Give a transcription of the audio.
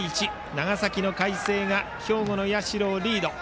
長崎の海星が兵庫の社をリード。